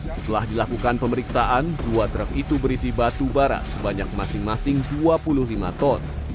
setelah dilakukan pemeriksaan dua truk itu berisi batu bara sebanyak masing masing dua puluh lima ton